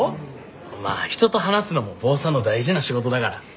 まあ人と話すのも坊さんの大事な仕事だから。